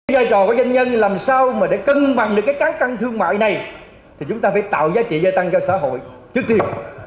giai trò của doanh nhân làm sao mà để cân bằng được các căn thương mại này thì chúng ta phải tạo giá trị gia tăng cho xã hội trước tiên